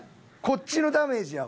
こっちのダメージやわ。